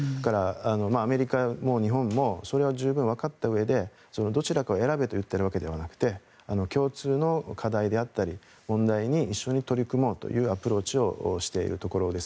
アメリカも日本もそれは十分に分かったうえでどちらかを選べと言っているわけではなくて共通の課題であったり問題に一緒に取り組もうというアプローチをしているところです。